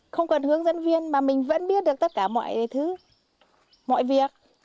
không cần hướng dẫn viên mà mình vẫn biết được tất cả mọi thứ mọi việc